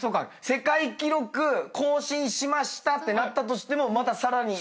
世界記録更新しましたってなったとしてもまたさらに。